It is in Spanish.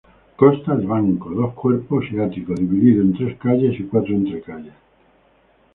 Consta de banco, dos cuerpos y ático, dividido en tres calles y cuatro entrecalles.